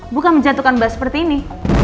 bukan menjatuhkan bas seperti ini